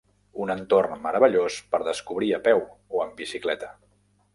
Un entorn meravellós per descobrir a peu o en bicicleta.